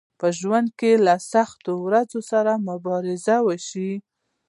په ژوند کې له سختو ورځو سره مبارزه وشئ